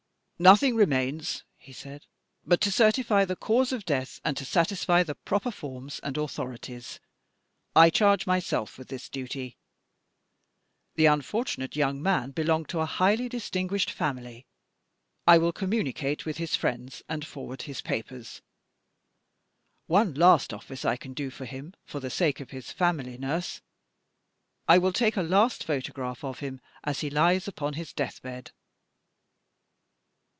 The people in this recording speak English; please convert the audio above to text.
"Nothing remains," he said, "but to certify the cause of death and to satisfy the proper forms and authorities. I charge myself with this duty. The unfortunate young man belonged to a highly distinguished family. I will communicate with his friends and forward his papers. One last office I can do for him. For the sake of his family, nurse, I will take a last photograph of him as he lies upon his death bed."